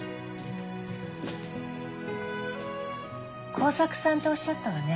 耕作さんっておっしゃったわね。